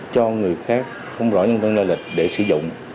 cho người khác không rõ nhân dân la lịch để sử dụng